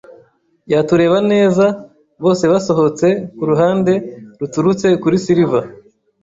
yatureba neza: bose basohotse kuruhande ruturutse kuri Silver.